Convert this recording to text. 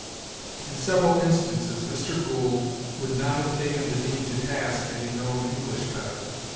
In several instances Mr. Gould would not have taken the Dean to task had he known English better.